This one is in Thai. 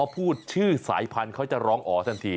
พูดชื่อสายพันธุ์เขาจะร้องอ๋อทันที